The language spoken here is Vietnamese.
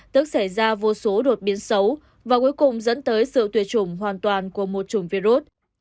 tức xảy ra vô số đột biến xấu và cuối cùng dẫn tới sự tuyệt chủng hoàn toàn của một chùm virus